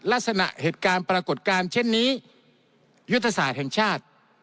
ลักษณะเหตุการณ์ปรากฏการณ์เช่นนี้ยุทธศาสตร์แห่งชาติ